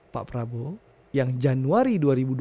pak prabowo yang januari